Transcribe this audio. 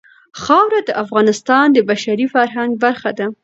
خاوره د افغانستان د بشري فرهنګ برخه ده.